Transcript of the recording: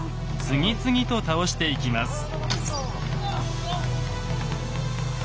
次々と倒していきます。